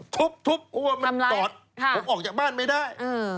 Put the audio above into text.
ทุบหัวมันกอดผมออกจากบ้านไม่ได้